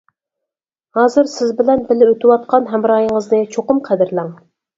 ھازىر سىز بىلەن بىللە ئۆتۈۋاتقان ھەمراھىڭىزنى چوقۇم قەدىرلەڭ.